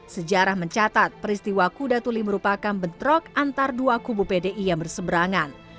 sejarah mencatat peristiwa kuda tuli merupakan bentrok antar dua kubu pdi yang berseberangan